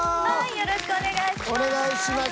よろしくお願いします。